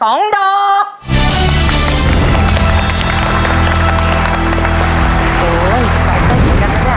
โอ้ยใจเต้นเหมือนกันแล้วเนี่ย